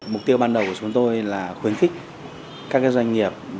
mục tiêu ban đầu của chúng tôi là khuyến khích các doanh nghiệp